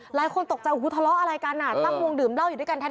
หลายคนตกใจโอ้โหทะเลาะอะไรกันอ่ะตั้งวงดื่มเหล้าอยู่ด้วยกันแทน